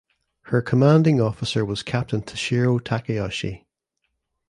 Her commanding officer was Captain Tashiro Takayoshi.